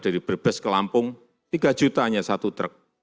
dari brebes ke lampung tiga juta hanya satu truk